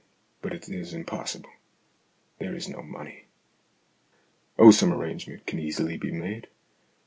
But it is impossible. There is no money." "Oh, some arrangement can easily be made.